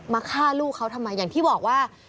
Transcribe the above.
ฆ่าลูกเขาทำไมอย่างที่บอกว่า